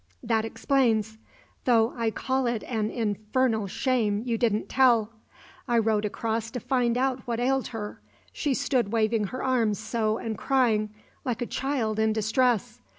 "That explains; though I call it an infernal shame you didn't tell. I rowed across to find out what ailed her: she stood waving her arms so, and crying like a child in distress.